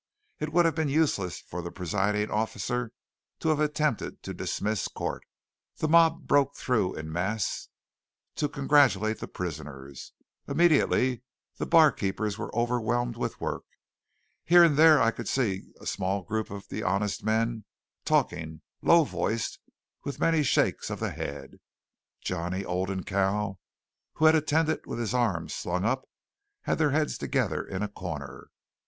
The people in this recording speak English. It would have been useless for the presiding officer to have attempted to dismiss court. The mob broke through en masse to congratulate the prisoners. Immediately the barkeepers were overwhelmed with work. Here and there I could see a small group of the honest men talking low voiced, with many shakes of the head. Johnny, Old, and Cal, who had attended with his arm slung up, had their heads together in a corner.